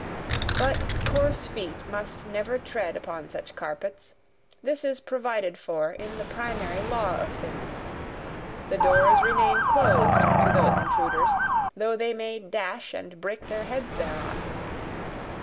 But coarse feet must never tread upon such carpets: this is provided for in the primary law of things; the doors remain closed to those intruders, though they may dash and break their heads thereon.